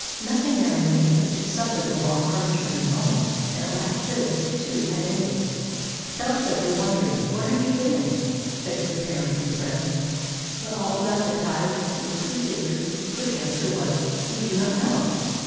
Nothing now remained but to suffer the long, hard journey home; and at last this, too, was ended. ''Tell us of your wanderings. Where have you been?" begged their parents and friends; but all that the tired little crusaders could answer was, "We do not know."